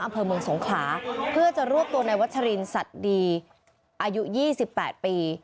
อำเภอเมืองสงขาเพื่อจะรวบตัวนายวัชรินสัตว์ดีอายุยี่สิบแปดปี